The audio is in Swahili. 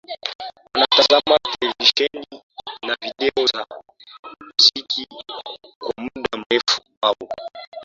Wanatazama televisheni na video za muziki kwa muda mrefu au